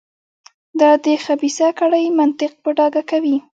دا د خبیثه کړۍ منطق په ډاګه کوي.